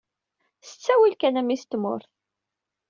S ttawil kan a mmi-s n tmurt!